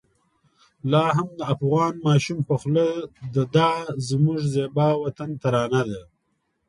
لا هم د افغان ماشوم په خوله د دا زموږ زېبا وطن ترانه ده.